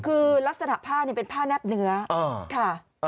คือลักษณะผ้าเป็นผ้าแนบเนื้อค่ะ